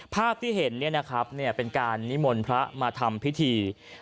ภาพที่เห็นเป็นการนิมนต์พระมาทำพิธี